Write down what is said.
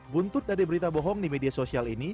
buntut dari berita bohong di media sosial ini